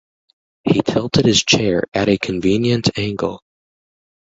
He tilted his chair at a convenient angle.